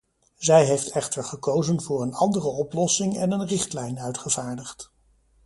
Zij heeft echter gekozen voor een andere oplossing en een richtlijn uitgevaardigd.